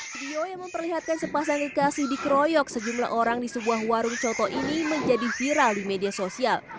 video yang memperlihatkan sepasang kekasih dikeroyok sejumlah orang di sebuah warung coto ini menjadi viral di media sosial